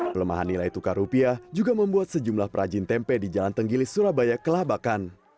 pelemahan nilai tukar rupiah juga membuat sejumlah perajin tempe di jalan tenggilis surabaya kelabakan